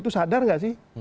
tuh sadar nggak sih